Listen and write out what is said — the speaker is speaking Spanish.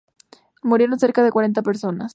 Murieron cerca de cuarenta personas.